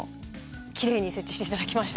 きれいに設置して頂きました。